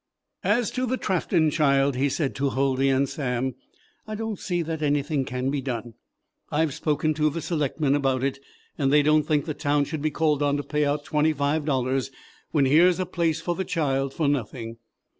"As to the Trafton child," he said to Huldy and Sam, "I don't see that anything can be done. I've spoken to the Selectmen about it, and they don't think the town should be called on to pay out twenty five dollars when here's a place for the child for nothing."